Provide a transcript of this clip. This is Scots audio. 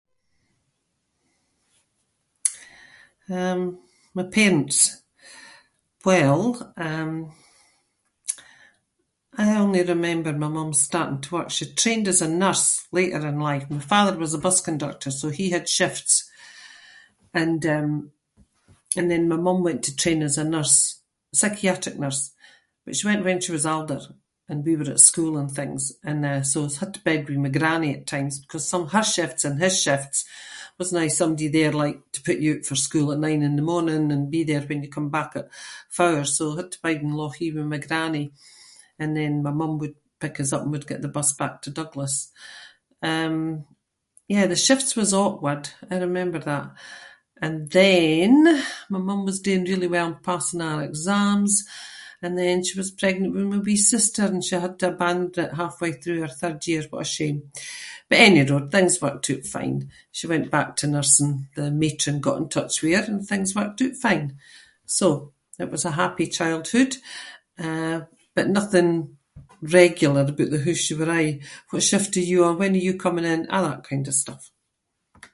Um, my parents. Well, um, I only remember my mum started work- she trained as a nurse later in life. My father was a bus conductor, so he had shifts. And um, and then my mum went to train as a nurse- a psychiatric nurse, but she went when she was older and we were at school and things and, uh, so I had to bide with my grannie at times because some of her shifts and his shifts, wasnae aie somebody there like to put you oot for school at nine in the morning and be there when you come back at four, so I had to bide in Lochee with my grannie, and then my mum would pick us up and we'd get the bus back to Douglas. Um, yeah, the shifts was awkward, I remember that. And then, my mum was doing really well and passing all her exams and then she was pregnant with my wee sister and she had her bang right- halfway through her third year- what a shame. But anyroad, things worked oot fine. She went back to nursing, the matron got in touch with her and things worked oot fine. So, it was a happy childhood, uh, but nothing regular aboot the hoose- you were aie, “What shift are you on? When are you coming in?” A’ that kind of stuff.